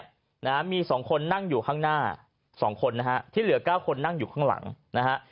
นะฮะมีสองคนนั่งอยู่ข้างหน้าสองคนนะฮะที่เหลือเก้าคนนั่งอยู่ข้างหลังนะฮะ